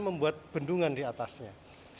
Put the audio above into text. membuat bendungan di atasnya